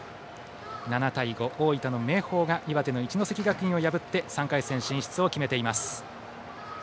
７対５、大分の明豊が岩手の一関学院を破って３回戦進出を決めています。